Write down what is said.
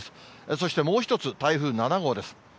そしてもう１つ、台風７号です。